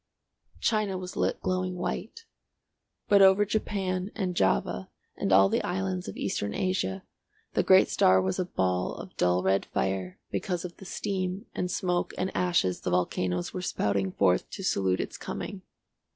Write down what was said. China was lit glowing white, but over Japan and Java and all the islands of Eastern Asia the great star was a ball of dull red fire because of the steam and smoke and ashes the volcanoes were spouting forth to salute its coming.